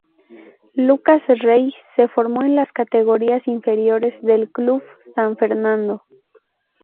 Lucas Rey se formó en las categorías inferiores del Club San Fernando.